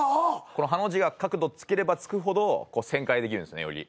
このハの字が角度つければつくほど旋回できるんですねより。